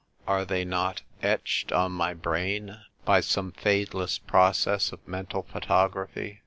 Are they not etched on my brain by some fadeless process of mental photography